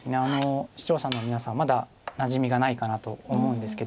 視聴者の皆さんまだなじみがないかなと思うんですけど今日でぜひ。